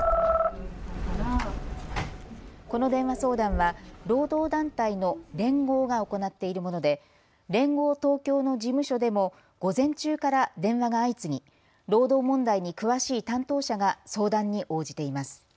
この電話相談は労働団体の連合が行っているもので連合東京の事務所でも午前中から電話が相次ぎ、労働問題に詳しい担当者が相談に応じています。